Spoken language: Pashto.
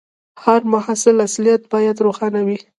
د هر محصول اصليت باید روښانه وي.